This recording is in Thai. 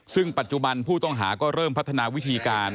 ซึ่งปัจจุบันผู้ต้องหาก็เริ่มพัฒนาวิธีการ